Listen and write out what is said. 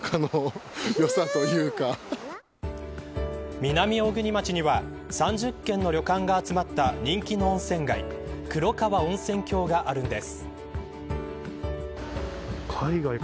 南小国町には３０軒の旅館が集まった人気の温泉街黒川温泉郷があるんです。